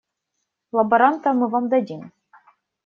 Лаборанта мы вам дадим.